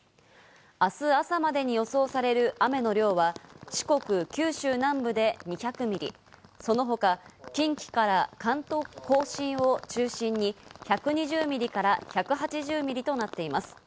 あす朝までに予想される雨の量は、四国、九州南部で２００ミリ、その他、近畿から関東甲信を中心に１２０ミリから１８０ミリとなっています。